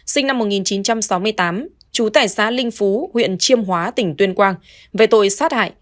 sinh năm một nghìn chín trăm sáu mươi tám trú tại xã linh phú huyện chiêm hóa tỉnh tuyên quang về tội sát hại